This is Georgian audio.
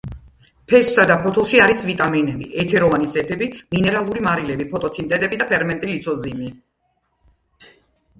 ფესვსა და ფოთოლში არის ვიტამინები, ეთეროვანი ზეთები, მინერალური მარილები, ფიტონციდები და ფერმენტი ლიზოციმი.